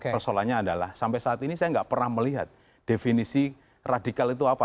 persoalannya adalah sampai saat ini saya nggak pernah melihat definisi radikal itu apa